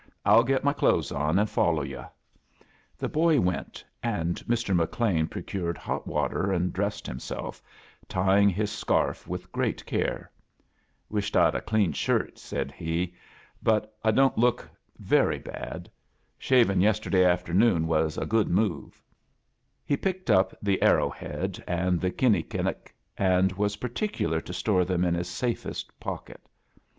I'll get my clothes on and follow yo*." The hoy went, and Hr. HcLean procured hot water and dressed himself, tying his scarf with great care. Wished I'd a clean shirt," said he. "Bat I don't look very A JOURNEY IN SEARCH OF CHRISTMAS bad. Sliavia' yesterday afternoon was a good move." He picked up the arrow head and tlie khini kinnic, and was partic f '^ filar to store tliem in his safest pocket.